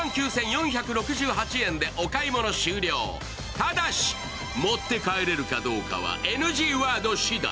ただし、持って帰れるかどうかはＮＧワード次第。